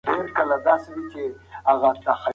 د متاهل لپاره باسواده نجلۍ ته تمثيلي خطبه